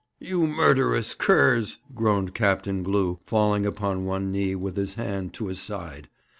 'You murderous curs!' groaned Captain Glew, falling upon one knee with his hand to his side.